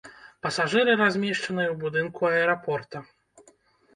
Пасажыры размешчаныя ў будынку аэрапорта.